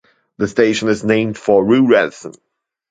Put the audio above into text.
The station is named for rue Radisson.